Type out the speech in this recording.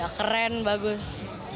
ya keren bagus